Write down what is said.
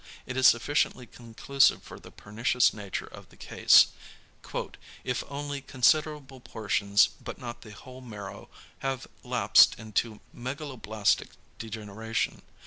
It is sufficiently conclusive for the pernicious nature of the case, "if only considerable portions but not the whole marrow, have lapsed into megaloblastic degeneration."